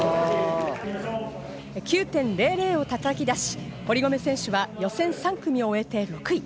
９．００を叩き出し、堀米選手は予選３組を終えて６位。